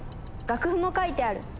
楽譜も書いてある。